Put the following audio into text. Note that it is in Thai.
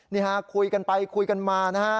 นี่ฮะคุยกันไปคุยกันมานะฮะ